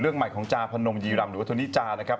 เรื่องใหม่ของจาพนมยีรัมหรือก็ทนนี้จานะครับ